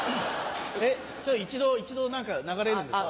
一度何か流れるんですか？